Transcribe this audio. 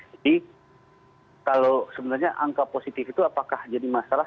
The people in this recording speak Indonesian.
jadi kalau sebenarnya angka positif itu apakah jadi masalah